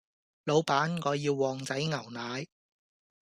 老闆我要旺仔牛奶